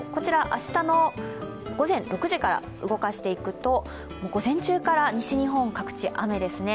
明日の午前６時から動かしていくと午前中から西日本、各地雨ですね